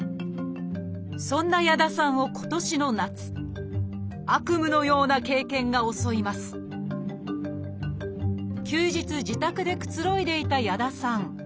そんな矢田さんを今年の夏悪夢のような経験が襲います休日自宅でくつろいでいた矢田さん。